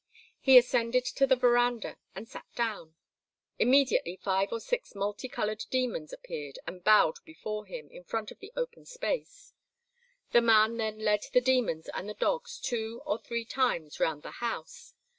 He ascended to the verandah, and sat down. Immediately five or six multi coloured demons appeared and bowed before him, in front of the open space. The man then led the demons and the dogs two or three times round the house.